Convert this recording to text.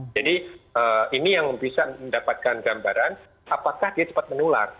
jadi ini yang bisa mendapatkan gambaran apakah dia cepat menular